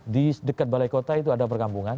di dekat balai kota itu ada perkampungan